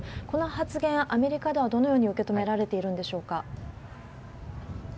この発言、アメリカではどのように受け止められているんでしょうか。